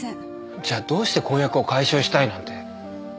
じゃあどうして婚約を解消したいなんて。